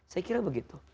saya kira begitu